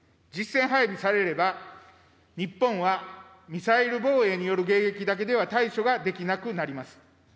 実戦配備されれば、日本はミサイル防衛による迎撃だけでは対処ができなくなります。